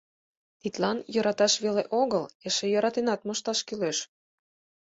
Тидлан йӧраташ веле огыл, эше йӧратенат мошташ кӱлеш.